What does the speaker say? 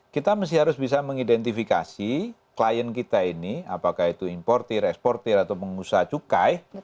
kita harus bisa mengidentifikasi klien kita ini apakah itu importer eksportir atau pengusaha cukai